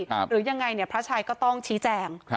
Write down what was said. หรือยังไงเนี่ยพระชายก็ต้องชี้แจง